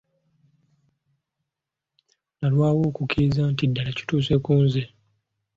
Nalwawo okukikkiriza nti ddala kituuse ku nze.